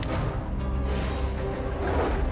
assalamualaikum warahmatullahi wabarakatuh